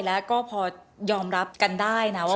และยอมรับกันได้